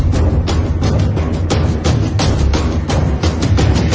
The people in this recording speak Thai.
แล้วก็พอเล่ากับเขาก็คอยจับอย่างนี้ครับ